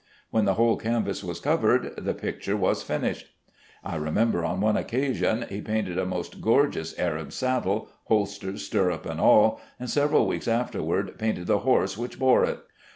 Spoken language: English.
When the whole canvas was covered, the picture was finished. I remember, on one occasion, he painted a most gorgeous Arab saddle, holsters, stirrups, and all, and several weeks afterward painted the horse which bore it.